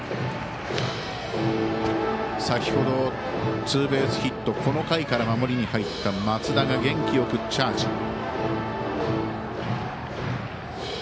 先ほどツーベースヒットこの回から守りに入った松田が元気よくチャージ。